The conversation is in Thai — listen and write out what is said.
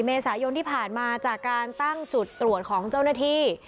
เมษายนที่ผ่านมาจากการตั้งจุดตรวจของเจ้าหน้าที่